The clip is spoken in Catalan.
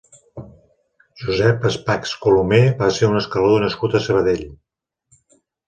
Josep Aspachs Colomé va ser un escalador nascut a Sabadell.